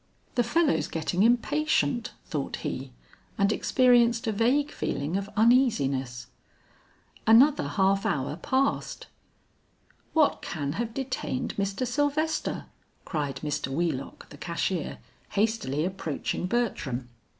"The fellow's getting impatient," thought he, and experienced a vague feeling of uneasiness. Another half hour passed. "What can have detained Mr. Sylvester?" cried Mr. Wheelock the cashier, hastily approaching Bertram.